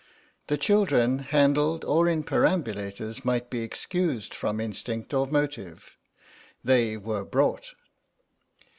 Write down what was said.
The children, handled or in perambulators, might be excused from instinct or motive; they were brought.